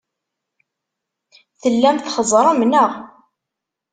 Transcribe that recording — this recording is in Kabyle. Tellam txeẓẓrem, neɣ?